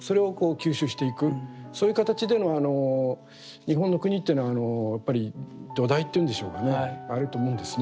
そういう形でのあの日本の国っていうのはやっぱり土台っていうんでしょうかねあると思うんですね。